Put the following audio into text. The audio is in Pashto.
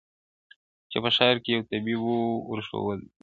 • چا په ښار کي یو طبیب وو ورښودلی -